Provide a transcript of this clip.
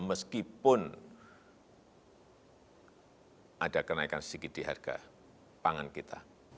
meskipun ada kenaikan sedikit di harga pangan kita